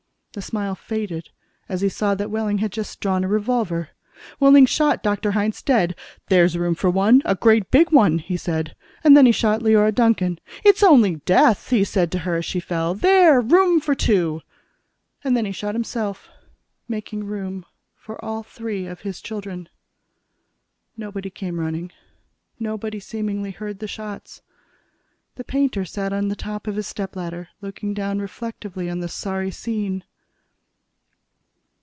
The smile faded as he saw that Wehling had just drawn a revolver. Wehling shot Dr. Hitz dead. "There's room for one a great big one," he said. And then he shot Leora Duncan. "It's only death," he said to her as she fell. "There! Room for two." And then he shot himself, making room for all three of his children. Nobody came running. Nobody, seemingly, heard the shots. The painter sat on the top of his stepladder, looking down reflectively on the sorry scene.